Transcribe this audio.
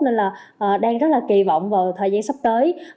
nên là đang rất là kỳ vọng vào thời gian sắp tới